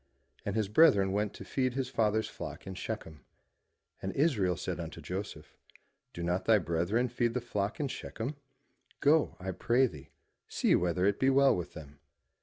And his brethren went to feed his father's flock in Shechem. And Israel said unto Joseph, Do not thy brethren feed the flock in Shechem? Go, I pray thee, see whether it be well with them.